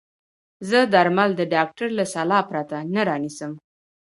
زه درمل د ډاکټر له سلا پرته نه رانيسم.